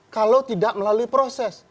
kalau tidak melalui proses